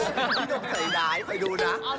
พี่หนุ่มใส่ไดสไปดูนะ